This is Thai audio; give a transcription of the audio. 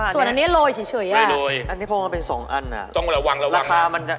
ส่วนอันนี้โรยเฉยอ่ะโรยอันนี้พวกมันเป็น๒อันอ่ะต้องระวัง